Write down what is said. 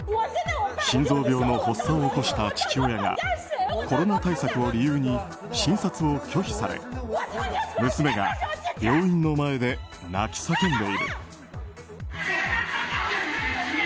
心臓病の発作を起こした父親がコロナ対策を理由に診察を拒否され娘が病院の前で泣き叫んでいる。